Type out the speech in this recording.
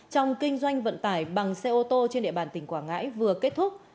trong kinh doanh vận tải bằng xe ô tô trên địa bàn tỉnh quảng ngãi vừa kết thúc